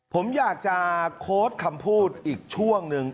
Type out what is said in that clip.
ผมอยากจะโค้ดคำพูดอีกช่วงหนึ่ง